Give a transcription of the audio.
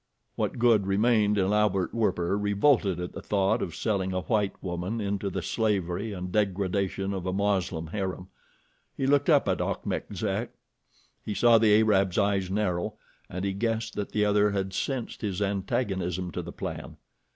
What good remained in Albert Werper revolted at the thought of selling a white woman into the slavery and degradation of a Moslem harem. He looked up at Achmet Zek. He saw the Arab's eyes narrow, and he guessed that the other had sensed his antagonism to the plan.